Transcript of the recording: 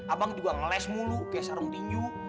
abang juga ngeles mulu kayak sarung tinju